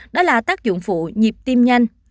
đó là tác dụng phụ nhịp tiêm nhanh